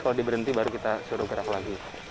kalau dia berhenti baru kita suruh gerak lagi